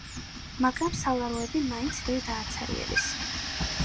მაგრამ სალაროები მაინც ვერ დააცარიელეს.